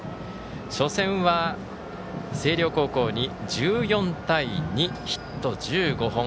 初戦は星稜高校に１４対２ヒット１５本。